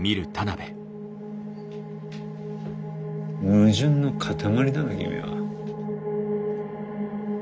矛盾の塊だな君は。